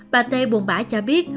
bà tê buồn bã cho biết